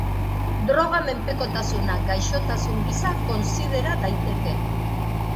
Droga menpekotasuna gaixotasun gisa kontsidera daiteke.